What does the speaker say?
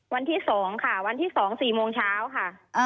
วันที่๒ค่ะวันที่๒๔โมงเช้าค่ะ